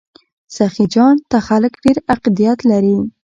سخي جان ته خلک ډیر عقیدت لري.